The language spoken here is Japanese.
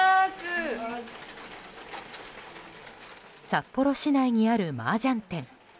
札幌市内にあるマージャン店。